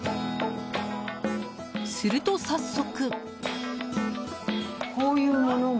すると、早速。